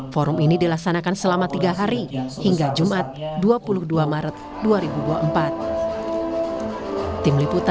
forum ini dilaksanakan selama tiga hari hingga jumat dua puluh dua maret dua ribu dua puluh empat